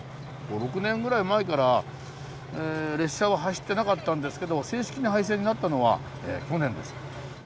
６年ぐらい前から列車は走ってなかったんですけど正式に廃線になったのは去年です。